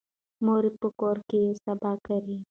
مور په کور کې سابه کري.